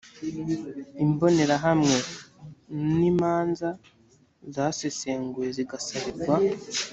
imbonerahamwe no imanza zasesenguwe zigasabirwa